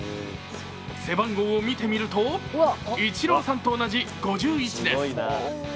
背番号を見てみると、イチローさんと同じ５１です。